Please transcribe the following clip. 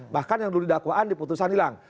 bahkan yang dulu di dakwaan di putusan hilang